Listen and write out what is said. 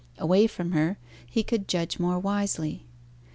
Away from her, he could judge more wisely.